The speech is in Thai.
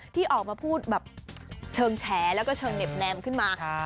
ที่ออกมาพูดแบบเชิงแฉแล้วก็เชิงเน็บแนมขึ้นมา